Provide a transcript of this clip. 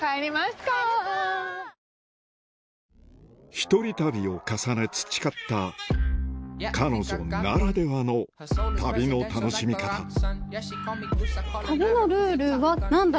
一人旅を重ね培った彼女ならではの旅の楽しみ方旅のルールは何だろう。